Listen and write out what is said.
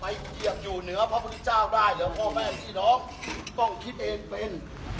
ใครเกียบอยู่เหนือพระพุทธเจ้าได้เดี๋ยวพ่อแม่สี่น้องต้องคิดเองเป็น